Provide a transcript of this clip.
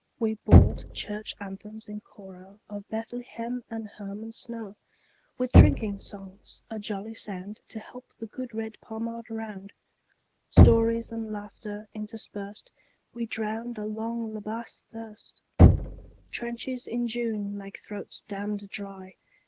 We bawled Church anthems in choroOf Bethlehem and Hermon snow, With drinking songs, a jolly soundTo help the good red Pommard round. Stories and laughter interspersed, We drowned a long La Bassée thirst—Trenches in June make throats damned dry.